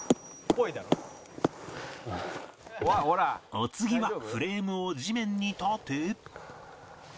お次はフレームを地面に立て